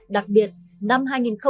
đặc biệt năm hai nghìn một mươi bảy